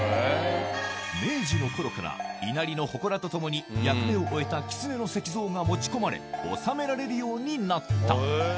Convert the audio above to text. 明治の頃から稲荷の祠と共に役目を終えた狐の石像が持ち込まれ納められるようになった